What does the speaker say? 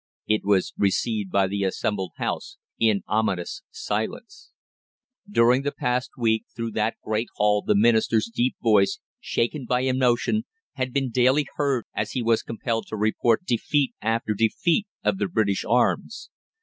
It was received by the assembled House in ominous silence. During the past week through that great hall the Minister's deep voice, shaken by emotion, had been daily heard as he was compelled to report defeat after defeat of the British arms.